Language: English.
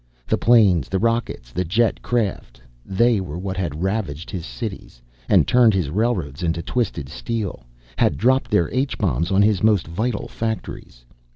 The planes, the rockets, the jet craft, they were what had ravaged his cities, had turned his railroads into twisted steel, had dropped their H Bombs on his most vital factories.